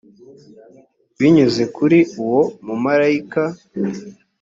binyuze kuri uwo mumarayika